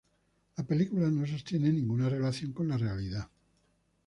La película no sostiene ninguna relación con la realidad.